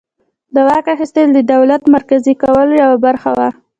د واک اخیستل د دولت مرکزي کولو یوه برخه وه.